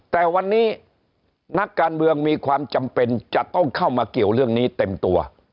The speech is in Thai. แต่วันนี้นักการเมืองมีความจำเป็นจะต้องเข้ามาเกี่ยวเรื่องนี้เต็มตัว